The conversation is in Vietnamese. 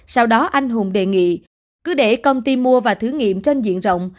sau đó anh hùng đề nghị cứ để công ty mua và thử nghiệm trên diện rộng